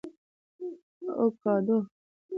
🥑 اوکاډو